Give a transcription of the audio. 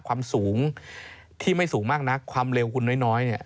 ความสูงที่ไม่สูงมากนักความเร็วคุณน้อยเนี่ย